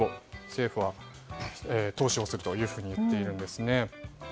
政府は投資をするというふうに言っているんですよ。